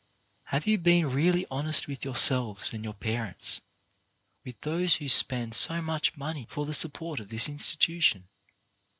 Have you been really honest with yourselves and your parents, and with those who spend so much money for the support of this institution